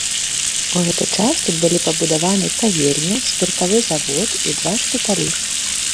У гэты час тут былі пабудаваны цагельня, спіртавы завод і два шпіталі.